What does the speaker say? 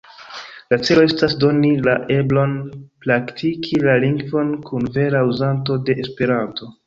La celo estas doni la eblon praktiki la lingvon kun vera uzanto de Esperanto.